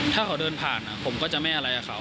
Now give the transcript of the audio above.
ถ้าเขาเดินผ่านผมก็จะไม่อะไรกับเขา